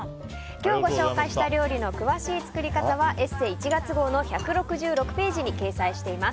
今日ご紹介した料理の詳しい作り方は「ＥＳＳＥ」１月号の１６６ページに掲載しています。